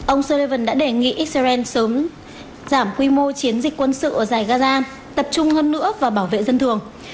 ông sullivan đã đề nghị israel sớm giảm quy mô chiến dịch quân sự ở dài gaza tập trung hơn nữa vào bảo vệ dân thường